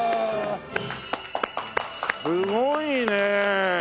すごいね。